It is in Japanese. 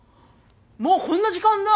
もうこんな時間だ。